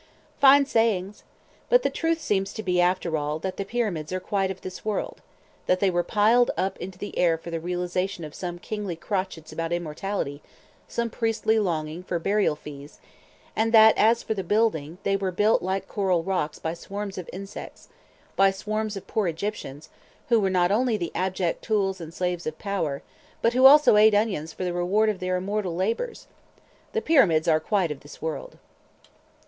Fine sayings! but the truth seems to be after all, that the Pyramids are quite of this world; that they were piled up into the air for the realisation of some kingly crotchets about immortality, some priestly longing for burial fees; and that as for the building, they were built like coral rocks by swarms of insects—by swarms of poor Egyptians, who were not only the abject tools and slaves of power, but who also ate onions for the reward of their immortal labours! The Pyramids are quite of this world.